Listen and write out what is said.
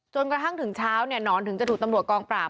จนกระทั่งถึงเช้าเนี่ยหนอนถึงจะถูกตำรวจกองปราบ